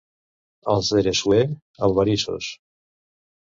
Els d'Eressué, albarissos.